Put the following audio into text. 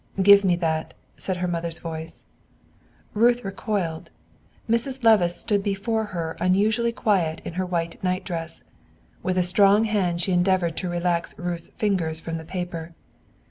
"Give me that," said her mother's voice. Ruth recoiled; Mrs. Levice stood before her unusually quiet in her white night dress; with a strong hand she endeavored to relax Ruth's fingers from the paper.